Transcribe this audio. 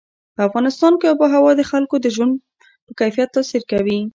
په افغانستان کې آب وهوا د خلکو د ژوند په کیفیت تاثیر کوي.